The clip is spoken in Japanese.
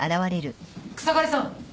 ・草刈さん。